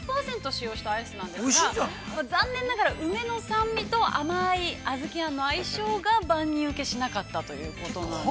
使用したアイスなんですが、残念ながら、梅の酸味と甘い小豆あんの相性が万人受けしなかったということなんですよね。